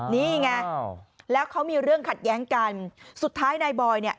นี่ไงแล้วเขามีเรื่องขัดแย้งกันสุดท้ายนายบอยเนี่ย